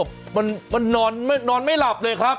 สวัสดีครับสวัสดีครับ